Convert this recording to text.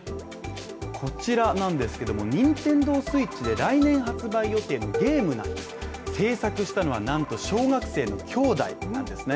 こちらなんですけどもＮｉｎｔｅｎｄｏＳｗｉｔｃｈで来年発売予定のゲームなんです制作したのはなんと小学生の兄弟なんですね